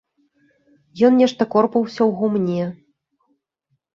Ён нешта корпаўся ў гумне.